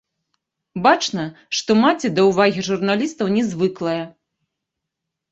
Бачна, што маці да ўвагі журналістаў не звыклая.